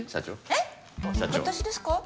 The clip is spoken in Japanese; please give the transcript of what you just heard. えっ私ですか？